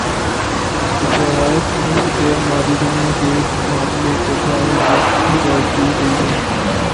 اس روایت میں اس غیر مادی دنیا کے ایک معاملے کے بارے میں خبردی گئی ہے